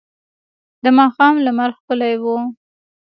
د ماښام لمر ښکلی و.